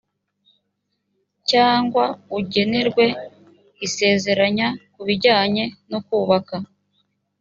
cyangwa ugenewe isezeranya ku bijyanye no kubaka